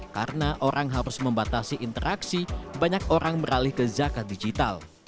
karena orang harus membatasi interaksi banyak orang beralih ke zakat digital